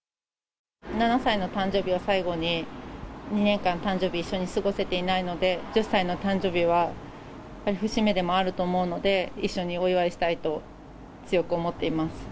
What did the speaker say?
７歳の誕生日を最後に、２年間、誕生日、一緒に過ごせてないので、１０歳の誕生日は、やっぱり節目でもあると思うので、一緒にお祝いしたいと強く思っています。